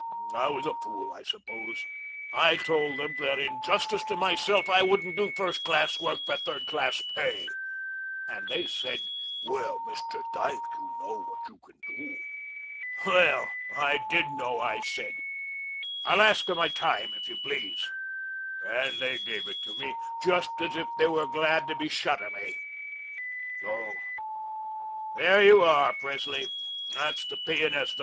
I was a fool, I suppose. I told them that, in justice to myself, I wouldn't do first class work for third class pay. And they said, 'Well, Mr. Dyke, you know what you can do.' Well, I did know. I said, 'I'll ask for my time, if you please,' and they gave it to me just as if they were glad to be shut of me. So there you are, Presley. That's the P. & S.